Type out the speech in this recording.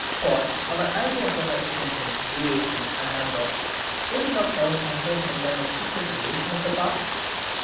For, our ideas of extension, duration, and number, do they not all contain in them a secret relation of the parts?